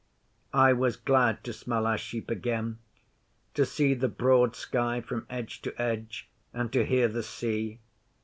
'I was glad to smell our sheep again; to see the broad sky from edge to edge, and to hear the sea.